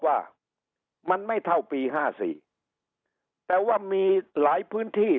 ว่ามันไม่เท่าปีห้าสี่แต่ว่ามีหลายพื้นที่